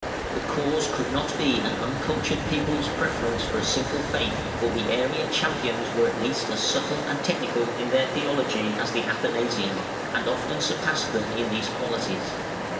The cause could not be an uncultured people's preference for a simple faith, for the Arian champions were at least as subtle and technical in their theology as the Athanasian, and often surpassed them in these qualities.